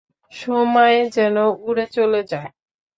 সময় যেন উড়ে চলে যায়।